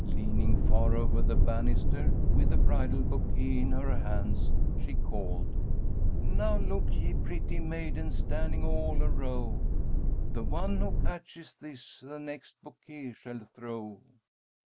Leaning far over the banister with the bridal bouquet in her hands, she called: "Now look, ye pretty maidens, standing all a row, The one who catches this, the next bouquet shall throw."